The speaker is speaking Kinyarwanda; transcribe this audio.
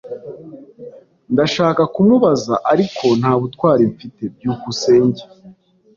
Ndashaka kumubaza, ariko nta butwari mfite. byukusenge